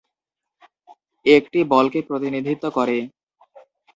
একটি বলকে প্রতিনিধিত্ব করে।